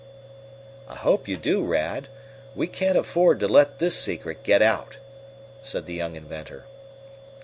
"I hope you do, Rad. We can't afford to let this secret get out," said the young inventor.